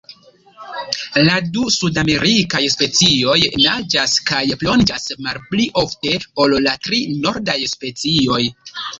La du sudamerikaj specioj naĝas kaj plonĝas malpli ofte ol la tri nordaj specioj.